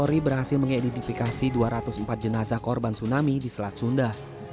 polri berhasil mengidentifikasi dua ratus empat jenazah korban tsunami di selat sunda